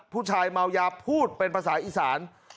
ผู้ชายเมายาพูดเป็นภาษาอีสาน